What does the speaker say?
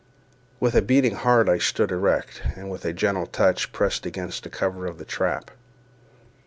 With a beating heart I stood erect, and with a gentle touch pressed against the cover of the trap.